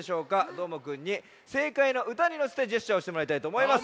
どーもくんにせいかいのうたにのせてジェスチャーをしてもらいたいとおもいます。